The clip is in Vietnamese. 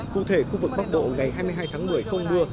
cụ thể khu vực bắc bộ ngày hai mươi hai tháng một mươi không mưa